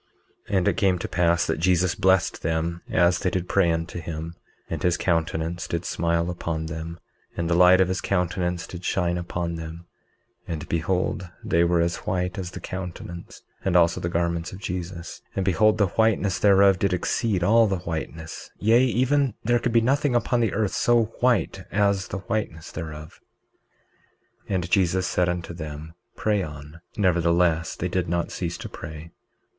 19:25 And it came to pass that Jesus blessed them as they did pray unto him; and his countenance did smile upon them, and the light of his countenance did shine upon them, and behold they were as white as the countenance and also the garments of Jesus; and behold the whiteness thereof did exceed all the whiteness, yea, even there could be nothing upon earth so white as the whiteness thereof. 19:26 And Jesus said unto them: Pray on; nevertheless they did not cease to pray.